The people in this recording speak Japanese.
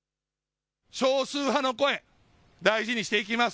少数派の声、大事にしていきます。